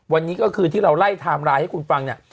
วันนี้ก็คือที่เราไล่ไทม์ไลน์ให้คุณฟังเนี่ย